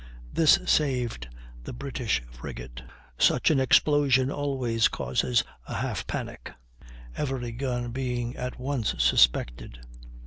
This saved the British frigate. Such an explosion always causes a half panic, every gun being at once suspected.